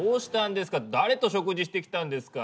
誰と食事してきたんですか？